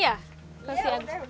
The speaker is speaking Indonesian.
iya udah pesen